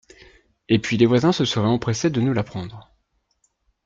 Et puis les voisins se seraient empressés de nous l’apprendre